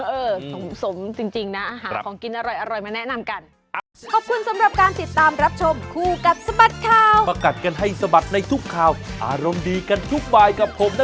เออสมจริงนะอาหารของกินอร่อยมาแนะนำกัน